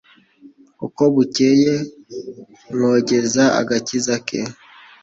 Uko bukeye mwogeze agakiza ke